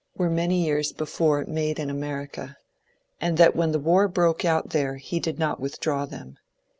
i 104 MONCURE DANIEL CONWAY made in America ; and that when the war broke out there he did not withdraw them.